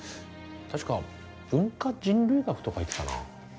確か文化人類学とか言ってたな。